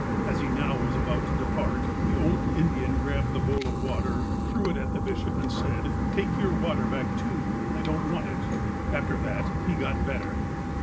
As he now was about to depart, the old Indian grabbed the bowl of water, threw it at the bishop, and said :'' Take your water back, too. I don't want it." After that he got better.